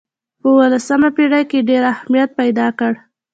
په اولسمه پېړۍ کې یې ډېر اهمیت پیدا کړ.